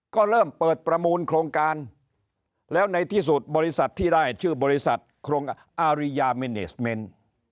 ก็เริ่มเปิดประมูลโครงการแล้วในที่สุดบริษัทที่ได้ชื่อบริษัทโครงอาริยาเมเนสเมนต์